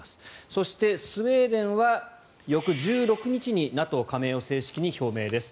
そして、スウェーデンは翌１６日にＮＡＴＯ加盟を正式に表明です。